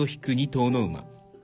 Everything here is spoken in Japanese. ２頭の馬。